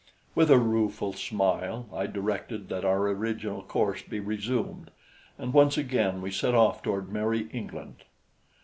With a rueful smile, I directed that our original course be resumed, and once again we set off toward merry England.